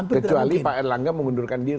kecuali pak erlangga mengundurkan diri